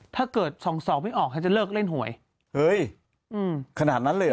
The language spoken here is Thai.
ถ้าเกิดสองสองไม่ออกเขาจะเลิกเล่นหวยเฮ้ยอืมขนาดนั้นเลยเห